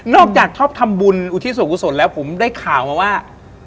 อกจากชอบทำบุญอุทิศส่วนกุศลแล้วผมได้ข่าวมาว่า